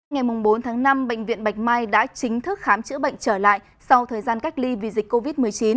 ngày bốn tháng năm bệnh viện bạch mai đã chính thức khám chữa bệnh trở lại sau thời gian cách ly vì dịch covid một mươi chín